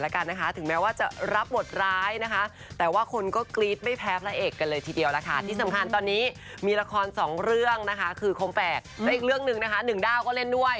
คือคมแฝกและอีกเรื่องหนึ่งนะคะ๑ดาวก็เล่นด้วย